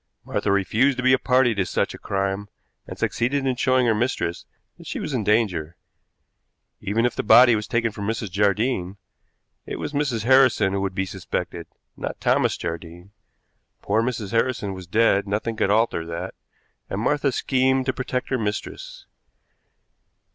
Martha refused to be a party to such a crime, and succeeded in showing her mistress that she was in danger. Even if the body was taken for Mrs. Jardine, it was Mrs. Harrison who would be suspected, not Thomas Jardine. Poor Mrs. Harrison was dead, nothing could alter that, and Martha schemed to protect her mistress.